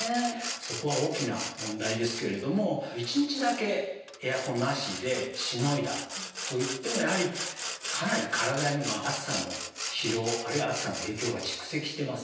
そこは大きな問題ですけれども一日だけエアコンなしでしのいだといってもやはりかなり体には暑さの疲労あるいは暑さの影響が蓄積してます。